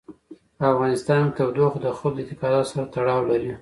په افغانستان کې تودوخه د خلکو د اعتقاداتو سره تړاو لري.